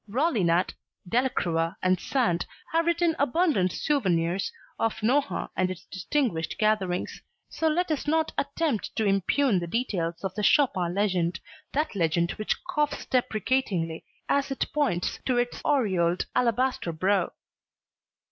Rollinat, Delacroix and Sand have written abundant souvenirs of Nohant and its distinguished gatherings, so let us not attempt to impugn the details of the Chopin legend, that legend which coughs deprecatingly as it points to its aureoled alabaster brow.